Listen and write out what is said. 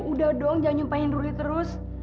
udah dong jangan nyumpahin ruli terus